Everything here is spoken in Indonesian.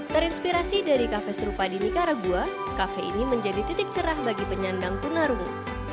terinspirasi dari kafe serupa di nicaragua kafe ini menjadi titik cerah bagi penyandang tunarungu